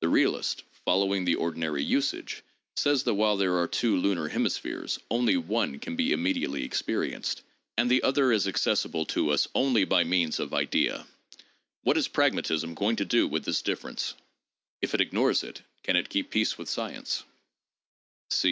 The realist, following the ordinary usage, says that while there are two lunar hemispheres, only one can be immediately experienced, and the other is accessible to us only by means of idea. ... What is pragmatism going to do with this difference? If it ignores it, can it keep peace with science?